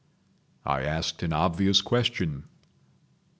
I asked an obvious question.